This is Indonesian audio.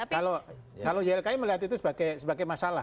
kalau ylki melihat itu sebagai masalah